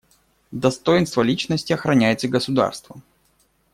Достоинство личности охраняется государством.